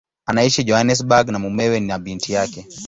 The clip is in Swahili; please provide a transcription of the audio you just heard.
Anaishi Johannesburg na mumewe na binti yake.